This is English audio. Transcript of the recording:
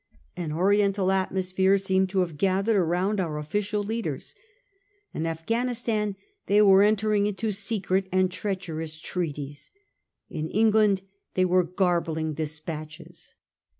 An Oriental atmosphere seemed to have gathered around our official leaders. In Af ghanistan they were entering into secret and treache rous treaties ; in England they were garbling de spatches.